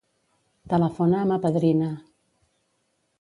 Telefona a ma padrina.